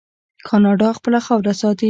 کاناډا خپله خاوره ساتي.